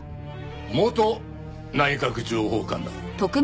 「元」内閣情報官だ。